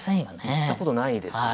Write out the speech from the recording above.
行ったことないですね。